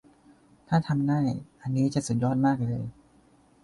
ถ้าทำได้ อันนี้จะสุดยอดมากเลย